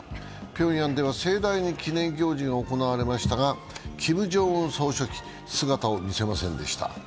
ピョンヤンでは、盛大に記念行事が行われましたがキム・ジョンウン総書記、姿を見せませんでした。